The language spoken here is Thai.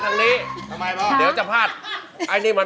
สวัสดีครับสวัสดีครับ